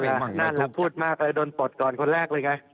นั่นแหละพูดมากเลยโดนปลดก่อนคนแรกเลยไง